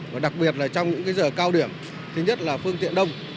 và đặc biệt là trong những giờ cao điểm thứ nhất là phương tiện đông